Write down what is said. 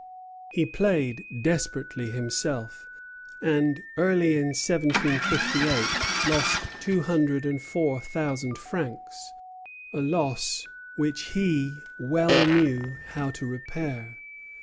He played desperately himself, and early in 1758 lost two hundred and four thousand francs, a loss which he well knew how to repair.